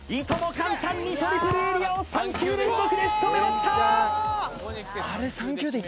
簡単にトリプルエリアを３球連続でしとめました！